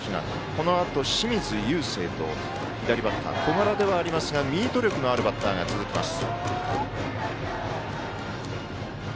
このあと、清水友惺と左バッター小柄ではありますがミート力のあるバッターが続きます。